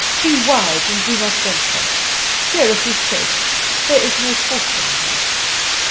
Be wise and do not venture. Here it is safe: there is no fortune there!"